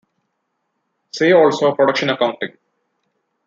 See also production accounting.